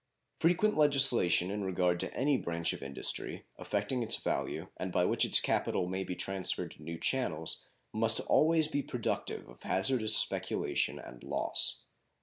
Frequent legislation in regard to any branch of industry, affecting its value, and by which its capital may be transferred to new channels, must always be productive of hazardous speculation and loss.